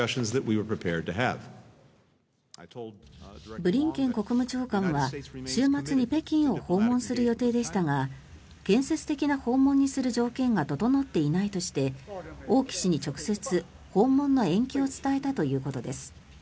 ブリンケン国務長官は、週末に北京を訪問する予定でしたが建設的な訪問にする条件が整っていないとして王毅氏に直接、訪問の延期を伝えたということです。